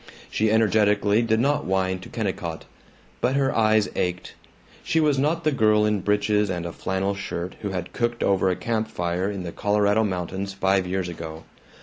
She energetically did not whine to Kennicott. But her eyes ached; she was not the girl in breeches and a flannel shirt who had cooked over a camp fire in the Colorado mountains five years ago.